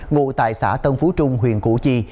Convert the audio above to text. ngụ tại xã tân phú trung huyện cụ chi